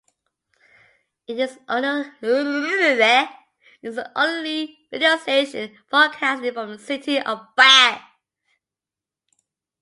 It is the only radio station broadcasting from the City of Bath.